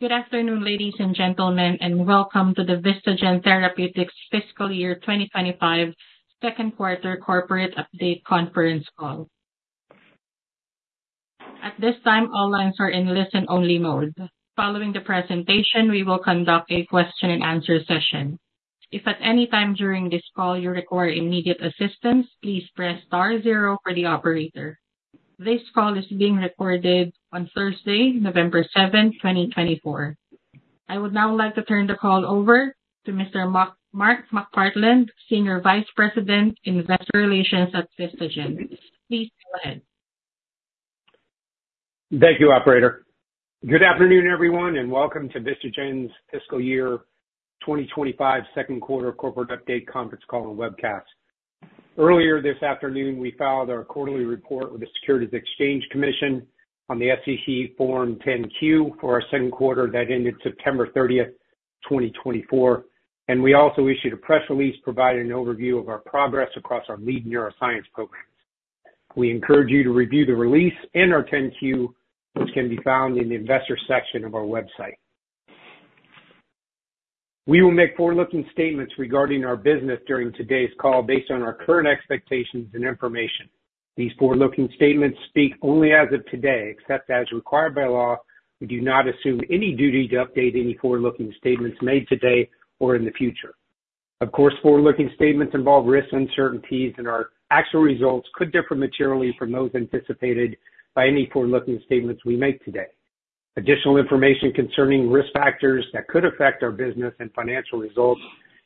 Good afternoon, ladies and gentlemen, and welcome to the Vistagen Therapeutics Fiscal Year 2025 Second Quarter Corporate Update Conference Call. At this time, all lines are in listen-only mode. Following the presentation, we will conduct a question-and-answer session. If at any time during this call you require immediate assistance, please press star zero for the operator. This call is being recorded on Thursday, November 7, 2024. I would now like to turn the call over to Mr. Mark McPartland, Senior Vice President, Investor Relations at Vistagen. Please go ahead. Thank you, Operator. Good afternoon, everyone, and welcome to Vistagen's Fiscal Year 2025 Second Quarter Corporate Update Conference Call and webcast. Earlier this afternoon, we filed our quarterly report with the Securities and Exchange Commission on the SEC Form 10-Q for our second quarter that ended September 30th, 2024, and we also issued a press release providing an overview of our progress across our lead neuroscience programs. We encourage you to review the release and our 10-Q, which can be found in the investor section of our website. We will make forward-looking statements regarding our business during today's call based on our current expectations and information. These forward-looking statements speak only as of today, except as required by law. We do not assume any duty to update any forward-looking statements made today or in the future. Of course, forward-looking statements involve risks and uncertainties, and our actual results could differ materially from those anticipated by any forward-looking statements we make today. Additional information concerning risk factors that could affect our business and financial results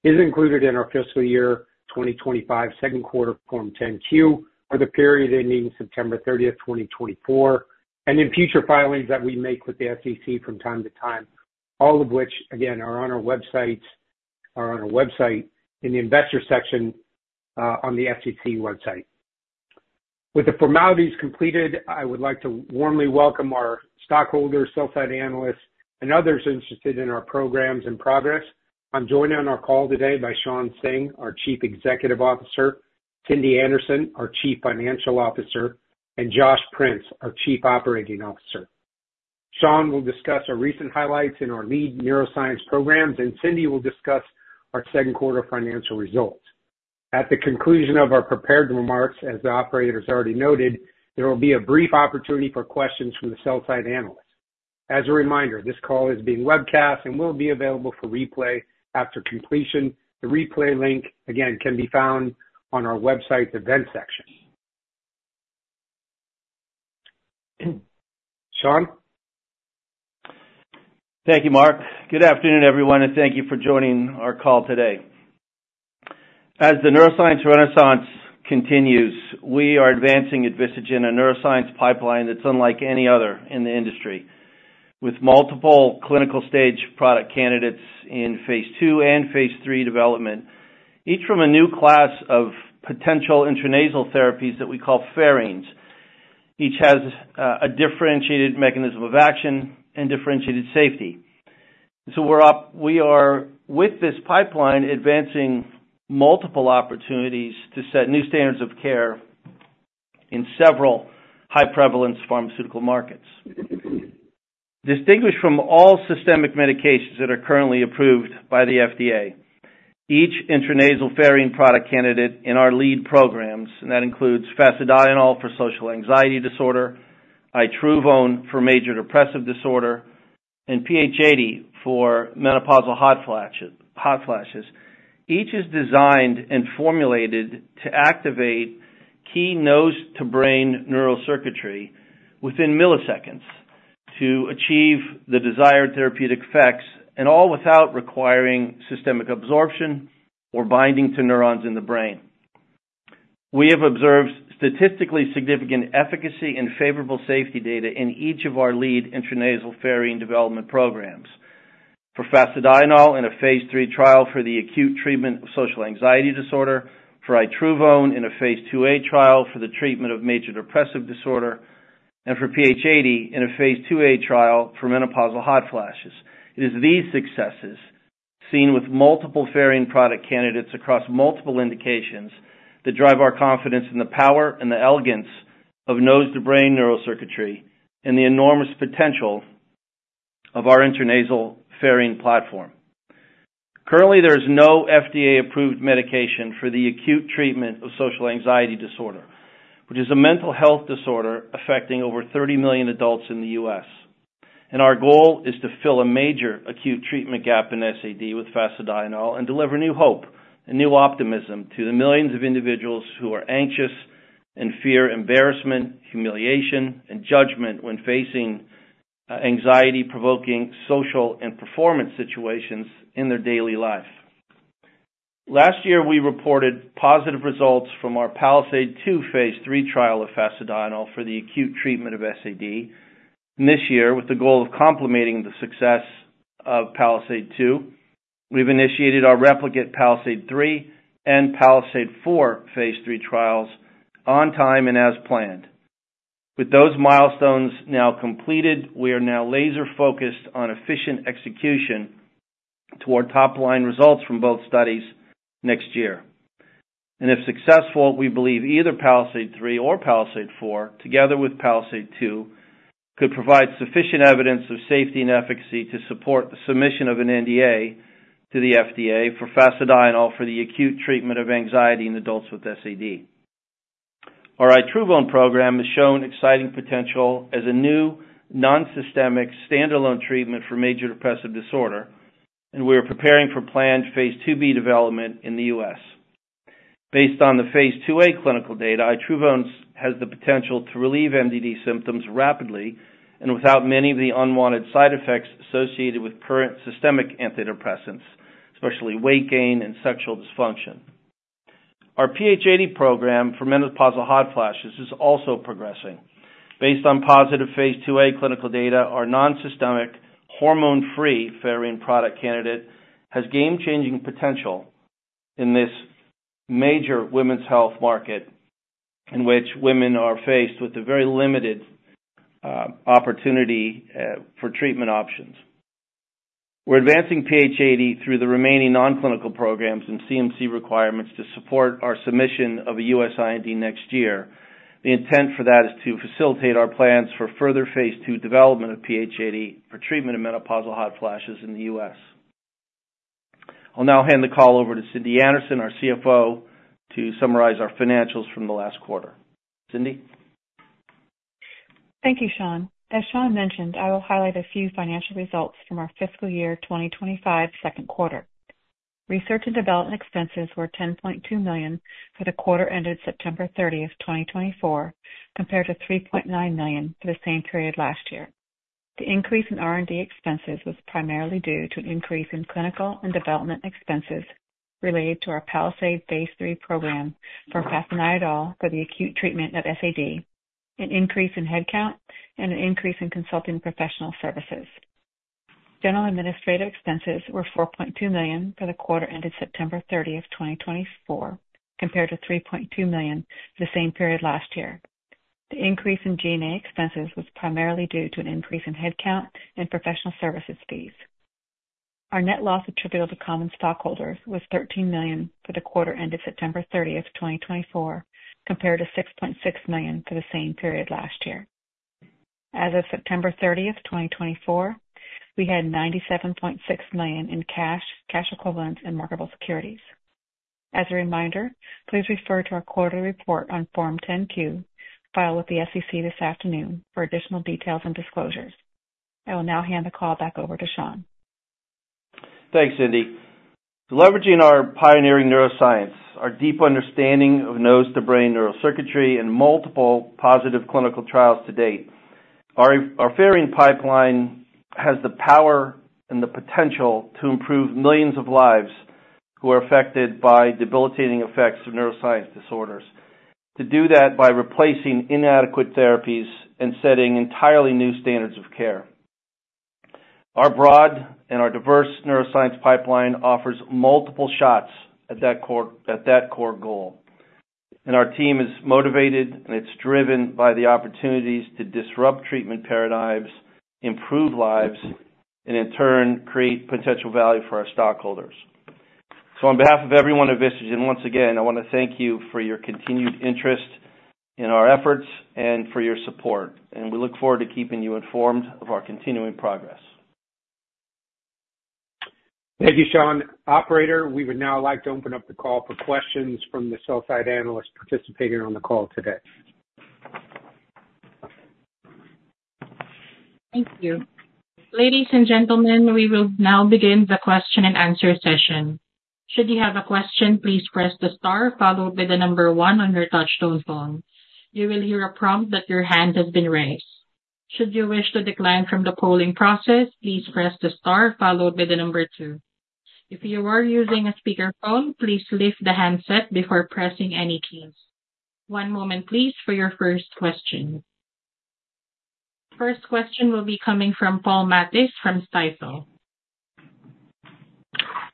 is included in our Fiscal Year 2025 Second Quarter Form 10-Q for the period ending September 30th, 2024, and in future filings that we make with the SEC from time to time, all of which, again, are on our websites or on our website in the investor section on the SEC website. With the formalities completed, I would like to warmly welcome our stockholders, sell-side analysts, and others interested in our programs and progress. I'm joined on our call today by Shawn Singh, our Chief Executive Officer; Cindy Anderson, our Chief Financial Officer; and Josh Prince, our Chief Operating Officer. Shawn will discuss our recent highlights in our lead neuroscience programs, and Cindy will discuss our second quarter financial results. At the conclusion of our prepared remarks, as the operator has already noted, there will be a brief opportunity for questions from the sell-side analyst. As a reminder, this call is being webcast and will be available for replay after completion. The replay link, again, can be found on our website's event section. Shawn? Thank you, Mark. Good afternoon, everyone, and thank you for joining our call today. As the neuroscience renaissance continues, we are advancing at VistaGen a neuroscience pipeline that's unlike any other in the industry, with multiple clinical stage product candidates in phase II and phase III development, each from a new class of potential intranasal therapies that we call pherines. Each has a differentiated mechanism of action and differentiated safety. So we are with this pipeline advancing multiple opportunities to set new standards of care in several high-prevalence pharmaceutical markets. Distinguished from all systemic medications that are currently approved by the FDA, each intranasal pherine product candidate in our lead programs, and that includes fasedienol for social anxiety disorder, itruvone for major depressive disorder, and PH80 for menopausal hot flashes, each is designed and formulated to activate key nose-to-brain neural circuitry within milliseconds to achieve the desired therapeutic effects, and all without requiring systemic absorption or binding to neurons in the brain. We have observed statistically significant efficacy and favorable safety data in each of our lead intranasal pherine development programs. For fasedienol in a phase III trial for the acute treatment of social anxiety disorder, for itruvone in a phase 2a trial for the treatment of major depressive disorder, and for PH80 in a phase 2a trial for menopausal hot flashes. It is these successes, seen with multiple pherine product candidates across multiple indications, that drive our confidence in the power and the elegance of nose-to-brain neural circuitry and the enormous potential of our intranasal pherine platform. Currently, there is no FDA-approved medication for the acute treatment of social anxiety disorder, which is a mental health disorder affecting over 30 million adults in the U.S. Our goal is to fill a major acute treatment gap in SAD with fasedienol and deliver new hope and new optimism to the millions of individuals who are anxious and fear embarrassment, humiliation, and judgment when facing anxiety-provoking social and performance situations in their daily life. Last year, we reported positive results from our PALISADE-2 phase III trial of fasedienol for the acute treatment of SAD. This year, with the goal of complementing the success of PALISADE-2, we've initiated our replicate PALISADE-3 and PALISADE-4 phase III trials on time and as planned. With those milestones now completed, we are now laser-focused on efficient execution toward top-line results from both studies next year, and if successful, we believe either PALISADE-3 or PALISADE-4, together with PALISADE-2, could provide sufficient evidence of safety and efficacy to support the submission of an NDA to the FDA for fasedienol for the acute treatment of anxiety in adults with SAD. Our itruvone program has shown exciting potential as a new, non-systemic, standalone treatment for major depressive disorder, and we are preparing for planned phase 2b development in the U.S. Based on the phase 2a clinical data, itruvone has the potential to relieve MDD symptoms rapidly and without many of the unwanted side effects associated with current systemic antidepressants, especially weight gain and sexual dysfunction. Our PH80 program for menopausal hot flashes is also progressing. Based on positive phase 2a clinical data, our non-systemic, hormone-free pherine product candidate has game-changing potential in this major women's health market in which women are faced with a very limited opportunity for treatment options. We're advancing PH80 through the remaining non-clinical programs and CMC requirements to support our submission of a U.S. IND next year. The intent for that is to facilitate our plans for further phase II development of PH80 for treatment of menopausal hot flashes in the U.S. I'll now hand the call over to Cindy Anderson, our CFO, to summarize our financials from the last quarter. Cindy? Thank you, Shawn. As Shawn mentioned, I will highlight a few financial results from our fiscal year 2025 second quarter. Research and development expenses were $10.2 million for the quarter ended September 30th, 2024, compared to $3.9 million for the same period last year. The increase in R&D expenses was primarily due to an increase in clinical and development expenses related to our PALISADE phase III program for fasedienol for the acute treatment of SAD, an increase in headcount, and an increase in consulting professional services. General administrative expenses were $4.2 million for the quarter ended September 30th, 2024, compared to $3.2 million for the same period last year. The increase in G&A expenses was primarily due to an increase in headcount and professional services fees. Our net loss attributable to common stockholders was $13 million for the quarter ended September 30th, 2024, compared to $6.6 million for the same period last year. As of September 30, 2024, we had $97.6 million in cash, cash equivalents, and marketable securities. As a reminder, please refer to our quarterly report on Form 10-Q filed with the SEC this afternoon for additional details and disclosures. I will now hand the call back over to Shawn. Thanks, Cindy. Leveraging our pioneering neuroscience, our deep understanding of nose-to-brain neural circuitry, and multiple positive clinical trials to date, our pherine pipeline has the power and the potential to improve millions of lives who are affected by debilitating effects of neuroscience disorders. To do that by replacing inadequate therapies and setting entirely new standards of care. Our broad and our diverse neuroscience pipeline offers multiple shots at that core goal. And our team is motivated, and it's driven by the opportunities to disrupt treatment paradigms, improve lives, and in turn, create potential value for our stockholders. So on behalf of everyone at Vistagen, once again, I want to thank you for your continued interest in our efforts and for your support. And we look forward to keeping you informed of our continuing progress. Thank you, Shawn. Operator, we would now like to open up the call for questions from the sell-side analysts participating on the call today. Thank you. Ladies and gentlemen, we will now begin the question-and-answer session. Should you have a question, please press the star followed by the number one on your touch-tone phone. You will hear a prompt that your hand has been raised. Should you wish to decline from the polling process, please press the star followed by the number two. If you are using a speakerphone, please lift the handset before pressing any keys. One moment, please, for your first question. First question will be coming from Paul Matteis from Stifel.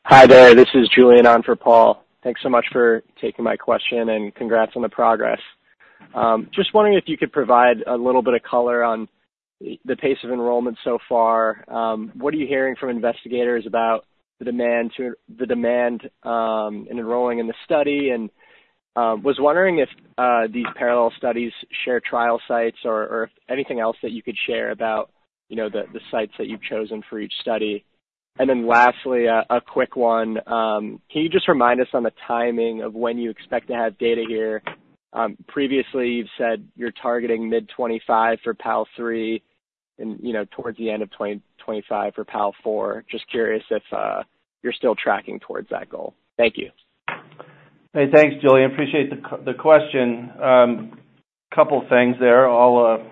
Hi there. This is Julianne on for Paul. Thanks so much for taking my question and congrats on the progress. Just wondering if you could provide a little bit of color on the pace of enrollment so far. What are you hearing from investigators about the demand in enrolling in the study? And was wondering if these parallel studies share trial sites or anything else that you could share about the sites that you've chosen for each study. And then lastly, a quick one. Can you just remind us on the timing of when you expect to have data here? Previously, you've said you're targeting mid-2025 for PAL3 and towards the end of 2025 for PAL4. Just curious if you're still tracking towards that goal. Thank you. Hey, thanks, Julianne. I appreciate the question. A couple of things there. I'll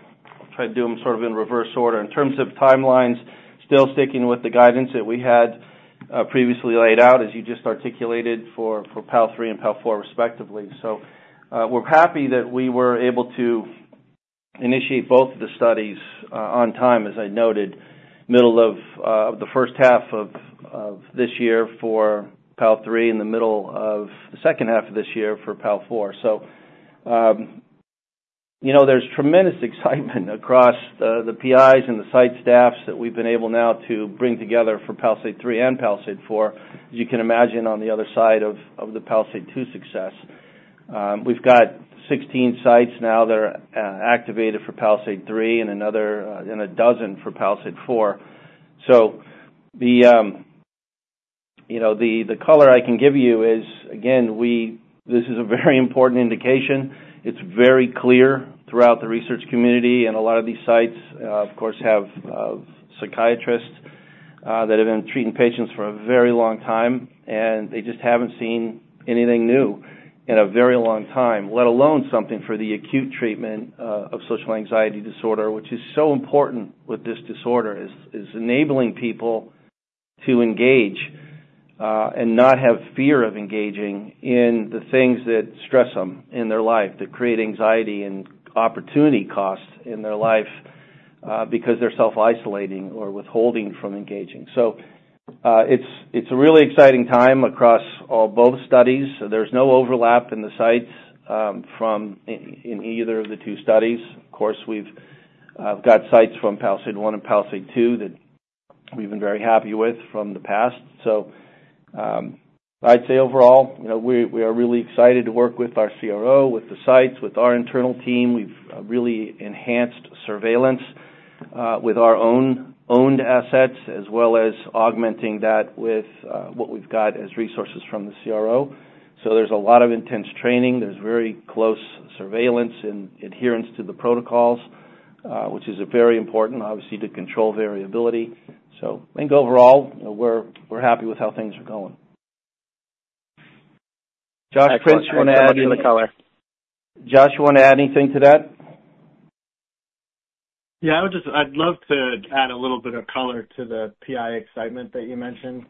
try to do them sort of in reverse order. In terms of timelines, still sticking with the guidance that we had previously laid out, as you just articulated, for PAL3 and PAL4 respectively. So we're happy that we were able to initiate both of the studies on time, as I noted, middle of the first half of this year for PAL3 and the middle of the second half of this year for PAL4. So there's tremendous excitement across the PIs and the site staffs that we've been able now to bring together for PAL3 and PAL4, as you can imagine, on the other side of the PALISADE-2 success. We've got 16 sites now that are activated for PALISADE-3 and a dozen for PALISADE-4. So the color I can give you is, again, this is a very important indication. It's very clear throughout the research community. And a lot of these sites, of course, have psychiatrists that have been treating patients for a very long time, and they just haven't seen anything new in a very long time, let alone something for the acute treatment of social anxiety disorder, which is so important with this disorder, is enabling people to engage and not have fear of engaging in the things that stress them in their life, that create anxiety and opportunity costs in their life because they're self-isolating or withholding from engaging. So it's a really exciting time across both studies. There's no overlap in the sites from either of the two studies. Of course, we've got sites from PALISADE-1 and PALISADE-2 that we've been very happy with from the past. So I'd say overall, we are really excited to work with our CRO, with the sites, with our internal team. We've really enhanced surveillance with our own assets, as well as augmenting that with what we've got as resources from the CRO. So there's a lot of intense training. There's very close surveillance and adherence to the protocols, which is very important, obviously, to control variability. So I think overall, we're happy with how things are going. Josh, you want to add anything to that? Yeah. I'd love to add a little bit of color to the PI excitement that you mentioned.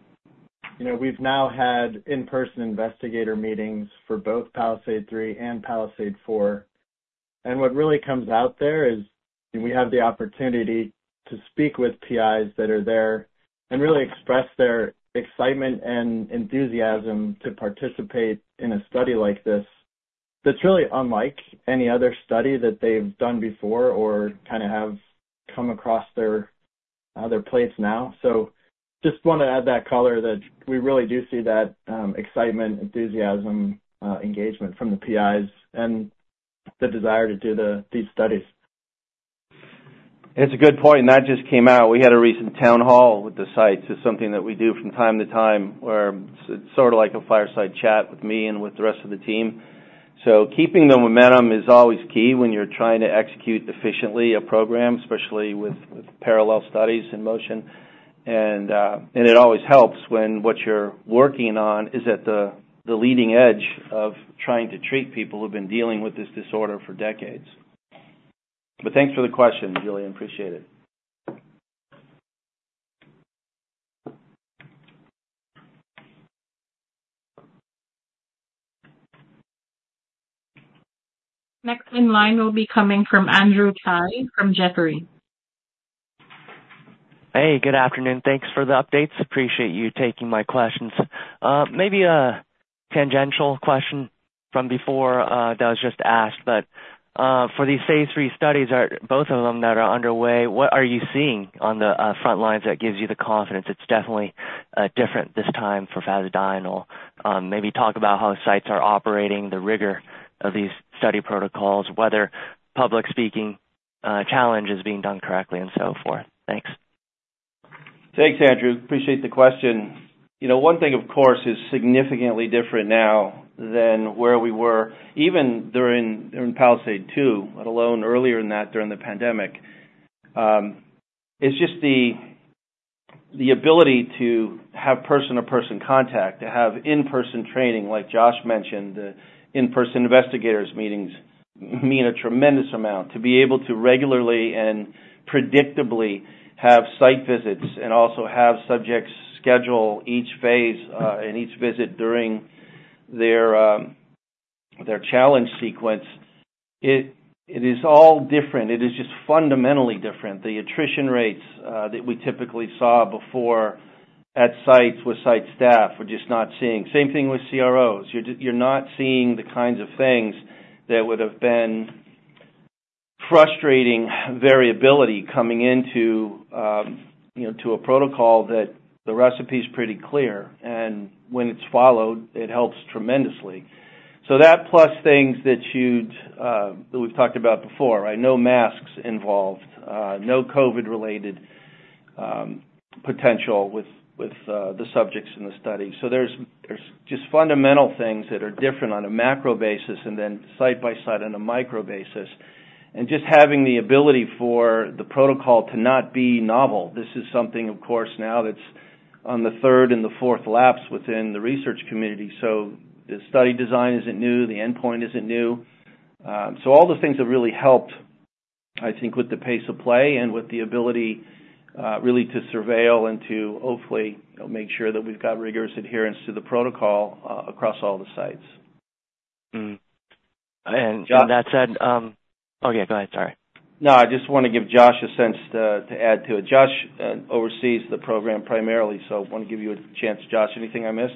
We've now had in-person investigator meetings for both PALISADE-3 and PALISADE-4. And what really comes out there is we have the opportunity to speak with PIs that are there and really express their excitement and enthusiasm to participate in a study like this that's really unlike any other study that they've done before or kind of have come across their plates now. So just want to add that color that we really do see that excitement, enthusiasm, engagement from the PIs and the desire to do these studies. It's a good point. That just came out. We had a recent town hall with the sites. It's something that we do from time to time where it's sort of like a fireside chat with me and with the rest of the team. So keeping the momentum is always key when you're trying to execute efficiently a program, especially with parallel studies in motion. And it always helps when what you're working on is at the leading edge of trying to treat people who have been dealing with this disorder for decades. But thanks for the question, Julie. I appreciate it. Next in line will be coming from Andrew Tsai from Jefferies. Hey, good afternoon. Thanks for the updates. Appreciate you taking my questions. Maybe a tangential question from before that was just asked. But for these phase III studies, both of them that are underway, what are you seeing on the front lines that gives you the confidence? It's definitely different this time for fasedienol. Maybe talk about how sites are operating, the rigor of these study protocols, whether public speaking challenge is being done correctly, and so forth. Thanks. Thanks, Andrew. Appreciate the question. One thing, of course, is significantly different now than where we were, even during PALISADE-2, let alone earlier than that during the pandemic. It's just the ability to have person-to-person contact, to have in-person training, like Josh mentioned, the in-person investigators meetings mean a tremendous amount. To be able to regularly and predictably have site visits and also have subjects schedule each phase and each visit during their challenge sequence, it is all different. It is just fundamentally different. The attrition rates that we typically saw before at sites with site staff, we're just not seeing. Same thing with CROs. You're not seeing the kinds of things that would have been frustrating variability coming into a protocol that the recipe is pretty clear. And when it's followed, it helps tremendously. So that plus things that we've talked about before, right? No masks involved, no COVID-related potential with the subjects in the study. So there's just fundamental things that are different on a macro basis and then side by side on a micro basis, and just having the ability for the protocol to not be novel. This is something, of course, now that's on the third and the fourth phase within the research community, so the study design isn't new. The endpoint isn't new, so all the things have really helped, I think, with the pace of play and with the ability really to surveil and to hopefully make sure that we've got rigorous adherence to the protocol across all the sites. And that said, oh, yeah, go ahead. Sorry. No, I just want to give Josh a sense to add to it. Josh oversees the program primarily, so I want to give you a chance. Josh, anything I missed?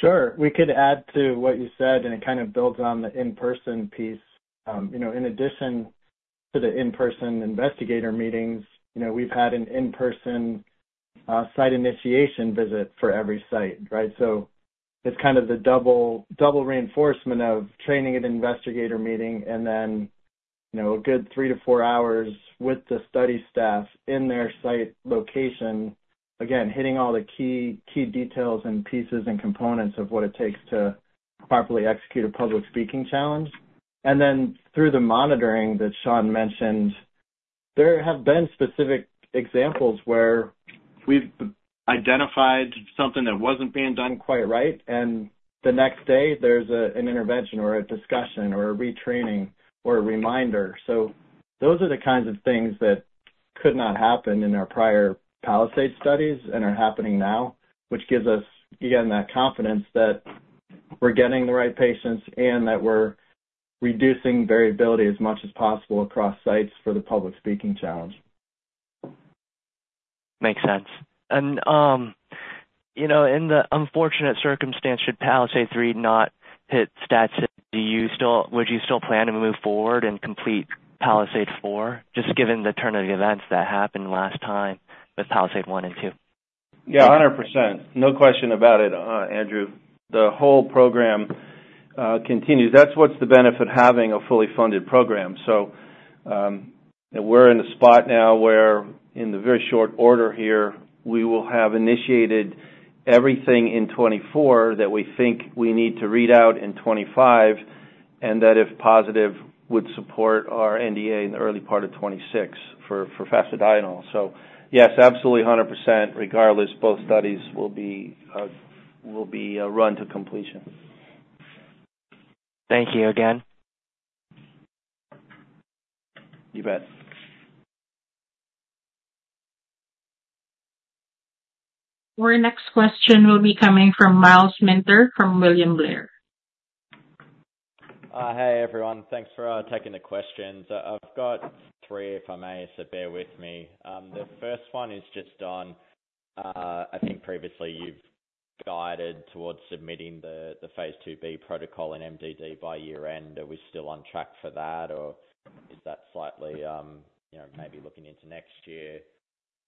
Sure. We could add to what you said, and it kind of builds on the in-person piece. In addition to the in-person investigator meetings, we've had an in-person site initiation visit for every site, right? So it's kind of the double reinforcement of training and investigator meeting and then a good three to four hours with the study staff in their site location, again, hitting all the key details and pieces and components of what it takes to properly execute a public speaking challenge, and then through the monitoring that Shawn mentioned, there have been specific examples where we've identified something that wasn't being done quite right, and the next day, there's an intervention or a discussion or a retraining or a reminder. So those are the kinds of things that could not happen in our prior PALISADE studies and are happening now, which gives us, again, that confidence that we're getting the right patients and that we're reducing variability as much as possible across sites for the public speaking challenge. Makes sense. And in the unfortunate circumstance, should PALISADE-3 not hit stats? Would you still plan to move forward and complete PALISADE-4, just given the turn of events that happened last time with PALISADE-1 and 2? Yeah, 100%. No question about it, Andrew. The whole program continues. That's what's the benefit of having a fully funded program. So we're in a spot now where, in the very short order here, we will have initiated everything in 2024 that we think we need to read out in 2025 and that, if positive, would support our NDA in the early part of 2026 for fasedienol. So yes, absolutely 100%. Regardless, both studies will be run to completion. Thank you again. You bet. Our next question will be coming from Miles Minter from William Blair. Hi, everyone. Thanks for taking the questions. I've got three, if I may, so bear with me. The first one is just on, I think, previously, you've guided towards submitting the phase 2b protocol in MDD by year-end. Are we still on track for that, or is that slightly maybe looking into next year?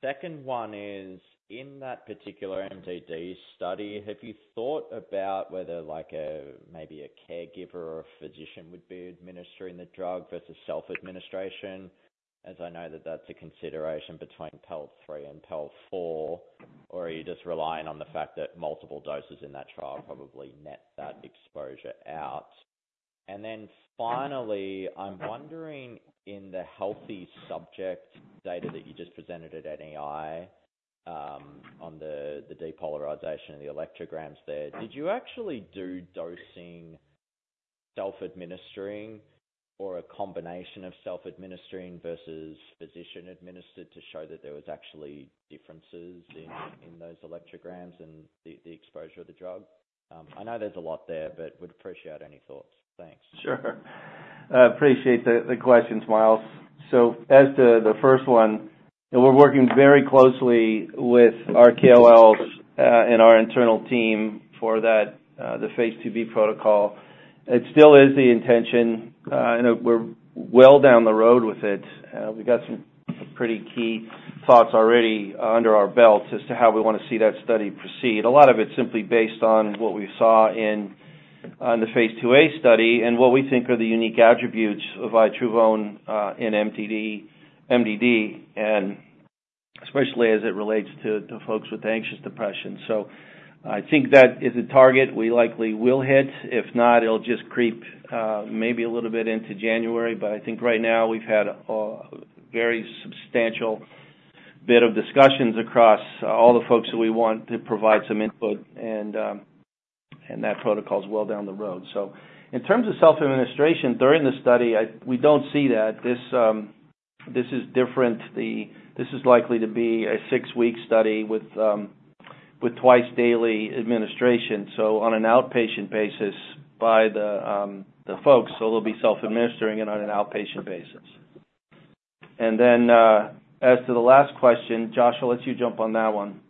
Second one is, in that particular MDD study, have you thought about whether maybe a caregiver or a physician would be administering the drug versus self-administration, as I know that that's a consideration between PAL3 and PAL4, or are you just relying on the fact that multiple doses in that trial probably net that exposure out? And then finally, I'm wondering, in the healthy subject data that you just presented at NEI on the depolarization of the electrograms there, did you actually do dosing self-administering or a combination of self-administering versus physician-administered to show that there were actually differences in those electrograms and the exposure of the drug? I know there's a lot there, but would appreciate any thoughts. Thanks. Sure. I appreciate the questions, Miles. So as to the first one, we're working very closely with our KOLs and our internal team for the phase 2b protocol. It still is the intention. We're well down the road with it. We've got some pretty key thoughts already under our belts as to how we want to see that study proceed. A lot of it's simply based on what we saw in the phase 2a study and what we think are the unique attributes of itruvone in MDD, and especially as it relates to folks with anxious depression. So I think that is a target we likely will hit. If not, it'll just creep maybe a little bit into January. But I think right now, we've had a very substantial bit of discussions across all the folks that we want to provide some input. That protocol is well down the road. In terms of self-administration during the study, we don't see that. This is different. This is likely to be a six-week study with twice-daily administration, so on an outpatient basis by the folks. They'll be self-administering it on an outpatient basis. Then as to the last question, Josh, I'll let you jump on that one.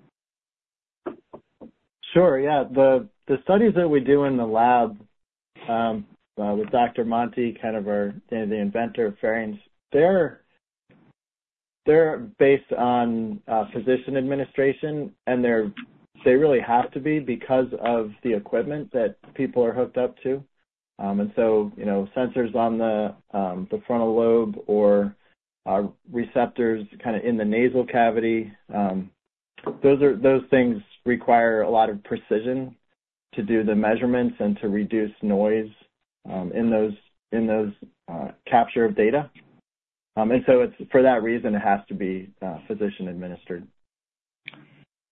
Sure. Yeah. The studies that we do in the lab with Dr. Monti, kind of the inventor of pherines, they're based on physician administration. And they really have to be because of the equipment that people are hooked up to. And so sensors on the frontal lobe or receptors kind of in the nasal cavity, those things require a lot of precision to do the measurements and to reduce noise in those capture of data. And so for that reason, it has to be physician-administered.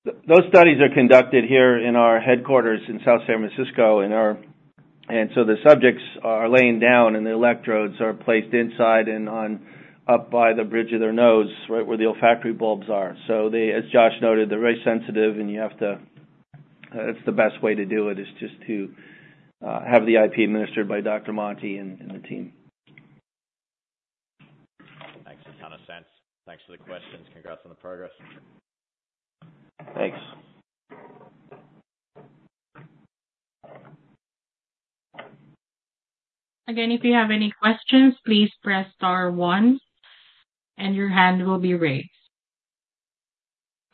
Those studies are conducted here in our headquarters in South San Francisco, and so the subjects are laying down, and the electrodes are placed inside and up by the bridge of their nose, right where the olfactory bulbs are. As Josh noted, they're very sensitive, and you have to. It's the best way to do it is just to have the IP administered by Dr. Monti and the team. Makes a ton of sense. Thanks for the questions. Congrats on the progress. Thanks. Again, if you have any questions, please press star one, and your hand will be raised.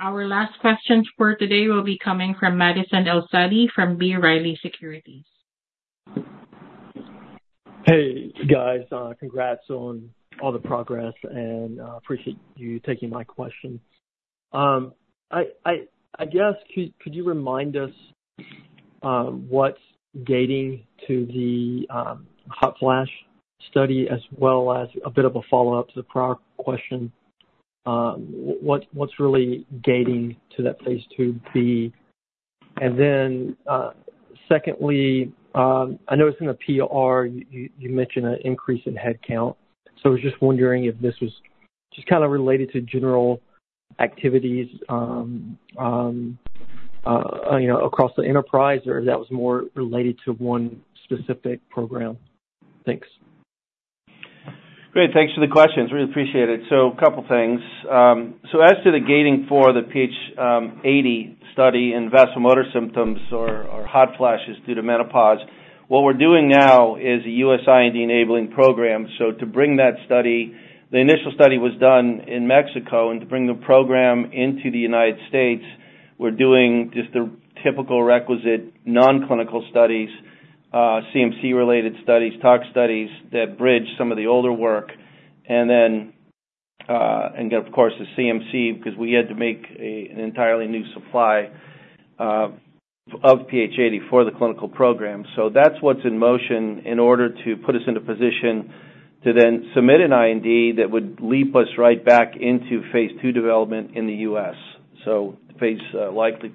Our last questions for today will be coming from Madison El-Saadi from B. Riley Securities. Hey, guys. Congrats on all the progress. And I appreciate you taking my question. I guess, could you remind us what's gating to the hot flash study, as well as a bit of a follow-up to the prior question? What's really gating to that phase 2b? And then secondly, I know it's in the PR, you mentioned an increase in headcount. So I was just wondering if this was just kind of related to general activities across the enterprise or if that was more related to one specific program. Thanks. Great. Thanks for the questions. Really appreciate it. A couple of things. As to the gating for the PH80 study in vasomotor symptoms or hot flashes due to menopause, what we're doing now is a U.S. IND enabling program. To bring that study, the initial study was done in Mexico, and to bring the program into the United States, we're doing just the typical requisite non-clinical studies, CMC-related studies, tox studies that bridge some of the older work. Then, of course, the CMC, because we had to make an entirely new supply of PH80 for the clinical program. That's what's in motion in order to put us in a position to then submit an IND that would leap us right back into phase II development in the U.S. Likely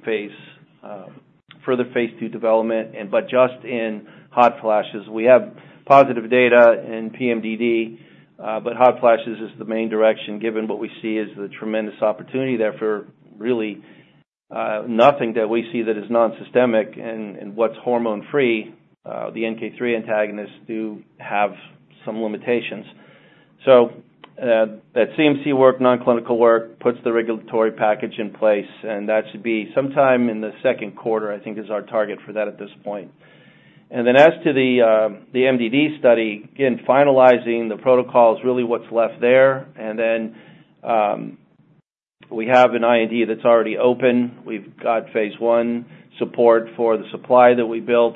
further phase II development, but just in hot flashes. We have positive data in PMDD, but hot flashes is the main direction given what we see as the tremendous opportunity there for really nothing that we see that is non-systemic. And what's hormone-free, the NK3 antagonists do have some limitations. So that CMC work, non-clinical work, puts the regulatory package in place. And that should be sometime in the second quarter, I think, is our target for that at this point. And then as to the MDD study, again, finalizing the protocol is really what's left there. And then we have an IND that's already open. We've got phase support for the supply that we built,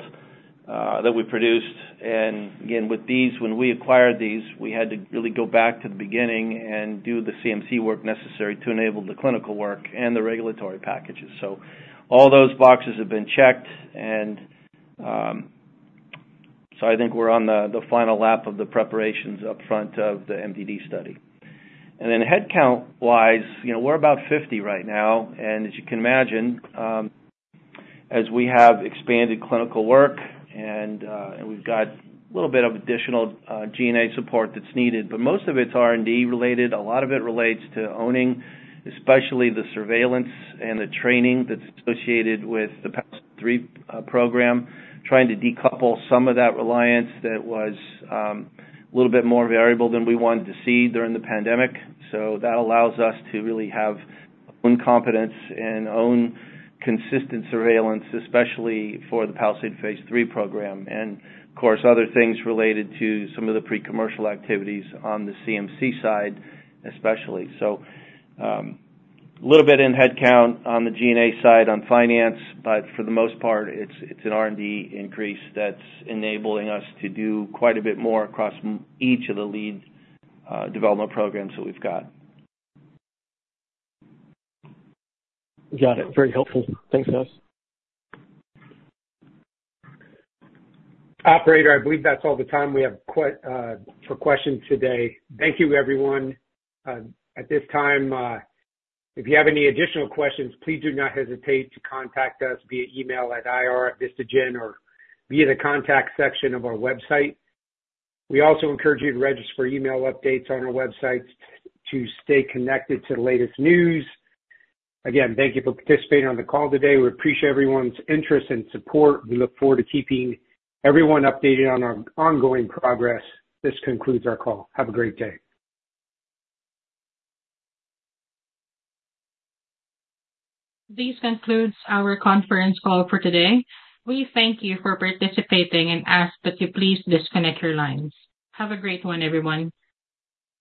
that we produced. And again, with these, when we acquired these, we had to really go back to the beginning and do the CMC work necessary to enable the clinical work and the regulatory packages. So all those boxes have been checked. I think we're on the final lap of the preparations upfront of the MDD study. Headcount-wise, we're about 50 right now. As you can imagine, as we have expanded clinical work and we've got a little bit of additional GNA support that's needed, but most of it's R&D-related. A lot of it relates to owning, especially the surveillance and the training that's associated with the PALISADE-3 program, trying to decouple some of that reliance that was a little bit more variable than we wanted to see during the pandemic. That allows us to really have own competence and own consistent surveillance, especially for the PALISADE-3 phase III program and, of course, other things related to some of the pre-commercial activities on the CMC side, especially. A little bit in headcount on the GNA side on finance, but for the most part, it's an R&D increase that's enabling us to do quite a bit more across each of the lead development programs that we've got. Got it. Very helpful. Thanks, guys. Operator, I believe that's all the time we have for questions today. Thank you, everyone. At this time, if you have any additional questions, please do not hesitate to contact us via email at IR@vistagen or via the contact section of our website. We also encourage you to register for email updates on our website to stay connected to the latest news. Again, thank you for participating on the call today. We appreciate everyone's interest and support. We look forward to keeping everyone updated on our ongoing progress. This concludes our call. Have a great day. This concludes our conference call for today. We thank you for participating and ask that you please disconnect your lines. Have a great one, everyone.